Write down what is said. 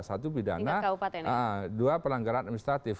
satu pidana dua pelanggaran administratif